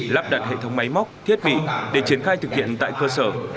lắp đặt hệ thống máy móc thiết bị để triển khai thực hiện tại cơ sở